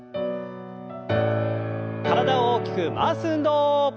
体を大きく回す運動。